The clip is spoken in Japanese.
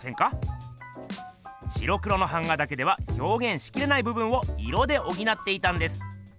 白黒の版画だけではひょうげんしきれない部分を色でおぎなっていたんです。